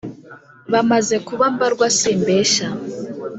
Bamaze kuba mbarwa simbeshya